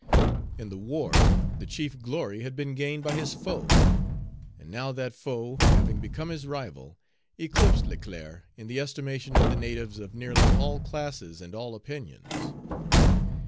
In the war, the chief glory had been gained by his foe, and now that foe, having become his rival, eclipsed Leclerc in the estimation of the natives of nearly all classes and all opinions.